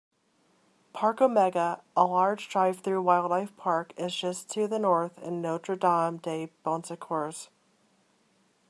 Parc Omega, a large drive-through wildlife park, is just to the north in Notre-Dame-de-Bonsecours.